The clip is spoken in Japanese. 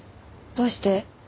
どうして？